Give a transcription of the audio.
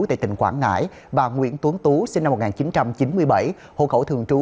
tại tỉnh quảng ngãi và nguyễn tuấn tú sinh năm một nghìn chín trăm chín mươi bảy hộ khẩu thường trú